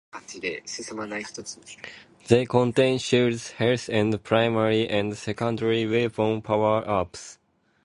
They contain shields, health and primary and secondary weapon power-ups.